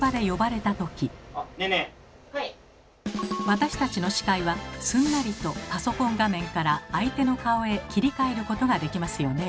私たちの視界はすんなりとパソコン画面から相手の顔へ切り替えることができますよね。